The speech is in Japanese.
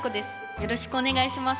よろしくお願いします。